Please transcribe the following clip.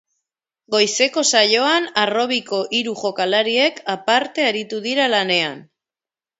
Goizeko saioan harrobiko hiru jokalariek aparte aritu dira lanean.